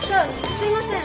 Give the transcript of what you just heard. すいません。